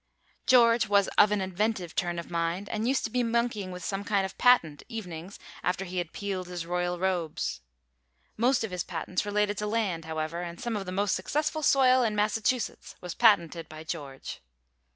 George was of an inventive turn of mind, and used to be monkeying with some kind of a patent, evenings, after he had peeled his royal robes. Most of his patents related to land, however, and some of the most successful soil in Massachusetts was patented by George.